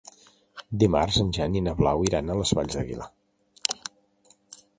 Dimarts en Jan i na Blau iran a les Valls d'Aguilar.